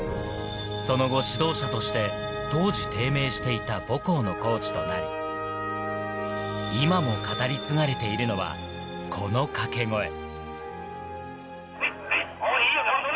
その後、指導者として当時低迷していた母校のコーチとなり、今も語り継がれているのは、この掛け声。